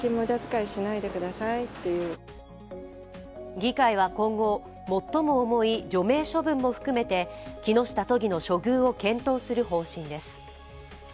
議会は今後、最も重い除名処分も含めて木下都議の処遇を検討する方針です。